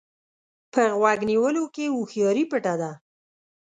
په غوږ نیولو کې هوښياري پټه ده.